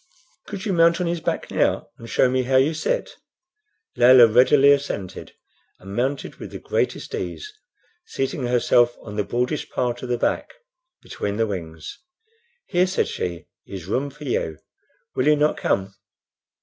"Could you mount on his back now, and show me how you sit?" Layelah readily assented, and mounted with the greatest ease, seating herself on the broadest part of the back between the wings. "Here," said she, "is room for you. Will you not come?"